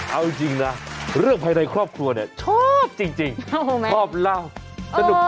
เอาจริงนะเรื่องภายในครอบครัวเนี่ยชอบจริงชอบเล่าสนุก